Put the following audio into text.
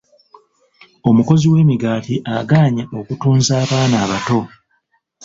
Omukozi w'emigaati agaanye okutunza abaana abato.